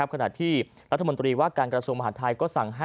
ขนาดที่รัฐมนตรีว่าการกรสมมหาธิกษ์ก็สั่งให้